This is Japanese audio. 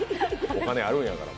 お金あるんやから。